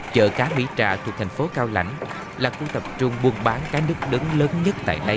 chợ cá mỹ trà thuộc thành phố cao lãnh là khu tập trung buôn bán cá nước đớn lớn nhất tại đây